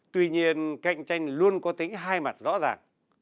tuy nhiên cạnh tranh luôn có tính hai mặt rõ ràng